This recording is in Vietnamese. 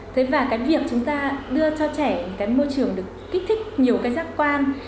thế và cái việc chúng ta đưa cho trẻ cái môi trường được kích thích nhiều cái giác quan